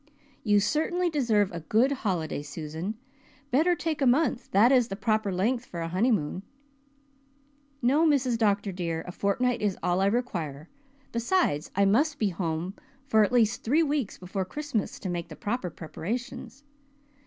"You certainly deserve a good holiday, Susan. Better take a month that is the proper length for a honeymoon." "No, Mrs. Dr. dear, a fortnight is all I require. Besides, I must be home for at least three weeks before Christmas to make the proper preparations.